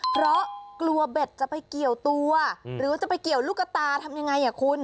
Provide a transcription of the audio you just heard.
เพราะกลัวเบ็ดจะไปเกี่ยวตัวหรือว่าจะไปเกี่ยวลูกตาทำยังไงอ่ะคุณ